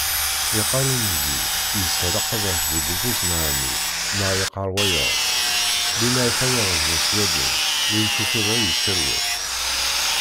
Yeqqar unzi: Yeshel uqabac deg ufus n Ɛemmi neɣ yeqqar wayeḍ: Limmer tayerza s wallen, win tufiḍ ad yesserwet.